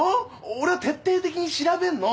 俺は徹底的に調べんの。